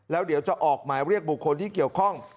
แล้วเดี๋ยวจะออกหมายเรียกบุคคลที่เกี่ยวข้อง